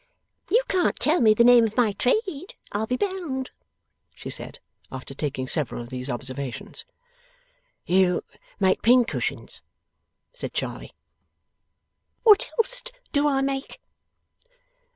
'You can't tell me the name of my trade, I'll be bound,' she said, after taking several of these observations. 'You make pincushions,' said Charley. 'What else do I make?